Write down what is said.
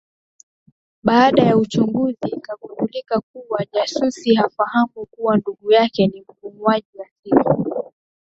Baada ya uchunguzi ikagundulika kua jasusi hafahamu kua ndugu yake ni muuaji wa siri